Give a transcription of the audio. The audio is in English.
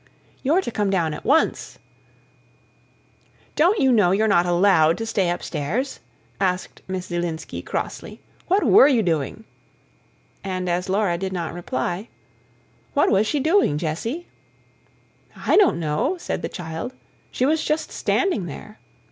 "You're to come down at once." "Don't you know you're not ALLOWED to stay upstairs?" asked Miss Zielinski crossly. "What were you doing?" And as Laura did not reply: "What was she doing, Jessie?" "I don't know," said the child. "She was just standing there."